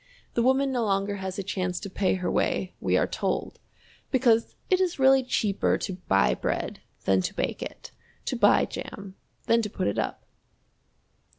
The woman no longer has a chance to pay her way, we are told, because it is really cheaper to buy bread than to bake it, to buy jam than to put it up.